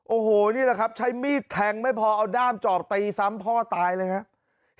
โอ้โหใช้มีดแทงไปพอเอาด้ำจอบตีซ้ำพ่อตายเลยนะครับ